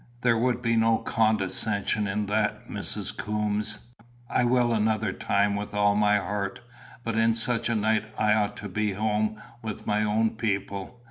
"There would be no condescension in that, Mrs. Coombes. I will another time with all my heart; but in such a night I ought to be at home with my own people.